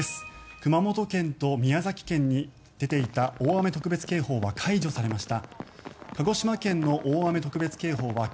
熊本県と宮崎県に出ていた大雨特別警報は解除されました。